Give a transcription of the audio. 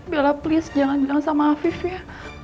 belah please jangan jangan sama afif ya